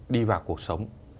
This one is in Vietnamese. đi vào cuộc sống